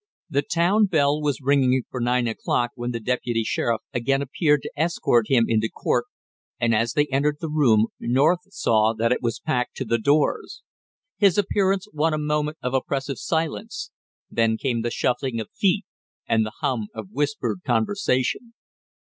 The town bell was ringing for nine o'clock when the deputy sheriff again appeared to escort him into court, and as they entered the room North saw that it was packed to the doors. His appearance won a moment of oppressive silence, then came the shuffling of feet and the hum of whispered conversation.